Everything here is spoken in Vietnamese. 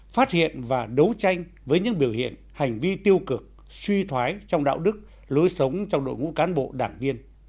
phát hiện và đấu tranh với những biểu hiện hành vi tiêu cực suy thoái trong đạo đức lối sống trong đội ngũ cán bộ đảng viên